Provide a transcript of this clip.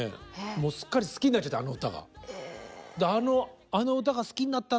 もうすっかり好きになっちゃってあの歌が。